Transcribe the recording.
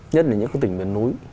nhất là những cái tỉnh miền núi